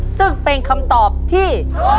ซึ่งเป็นคำตอบที่